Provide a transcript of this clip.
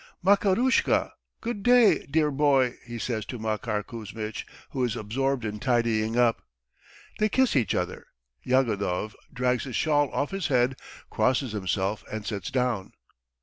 "Makarushka, good day, dear boy!" he says to Makar Kuzmitch, who is absorbed in tidying up. They kiss each other. Yagodov drags his shawl off his head, crosses himself, and sits down.